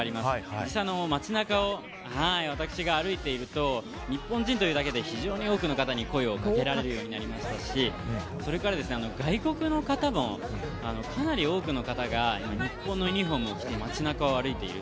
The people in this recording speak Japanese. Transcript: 実際、街中を私が歩いていると日本人というだけで非常に多くの方に声をかけられるようになりましたしそれから、外国の方もかなり多くの方が日本のユニホームを着て街中を歩いている。